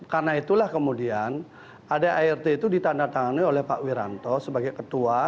karena itulah kemudian adrt itu ditandatangani oleh pak wiranto sebagai ketua